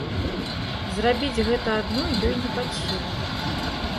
Зрабіць гэта адной ёй не пад сілу.